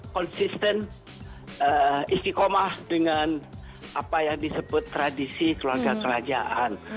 konsisten istiqomah dengan apa yang disebut tradisi keluarga kerajaan